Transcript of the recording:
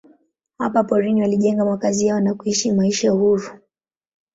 Hapa porini walijenga makazi yao na kuishi maisha huru.